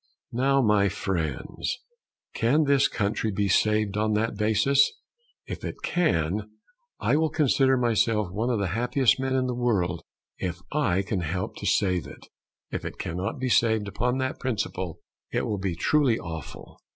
Now, my friends, can this country be saved on that basis? If it can, I will consider myself one of the happiest men in the world if I can help to save it. If it cannot be saved upon that principle, it will be truly awful.